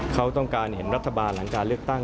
เขาต้องการเห็นรัฐบาลหลังการเลือกตั้ง